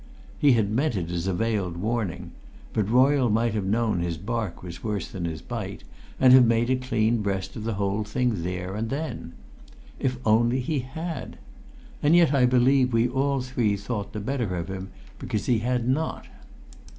He had meant it as a veiled warning, but Royle might have known his bark was worse than his bite, and have made a clean breast of the whole thing there and then. If only he had! And yet I believe we all three thought the better of him because he had not.